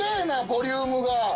ボリュームが。